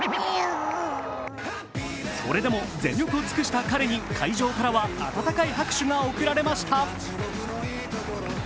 それでも全力を尽くした彼に、会場からは温かい拍手が送られました。